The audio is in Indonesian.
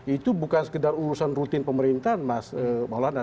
itu bukan sekedar urusan rutin pemerintahan mas maulana